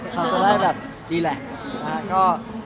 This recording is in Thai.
ก็เราก็ดีแหละ